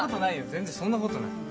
全然そんなことない。